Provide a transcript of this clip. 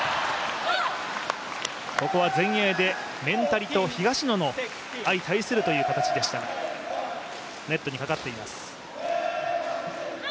ここは前衛でメンタリと東野の相対するという形でしたがネットにかかっています。